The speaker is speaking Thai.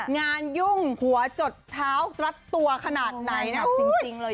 งานยุ่งหัวจดเท้ารัดตัวขนาดไหนเนี่ย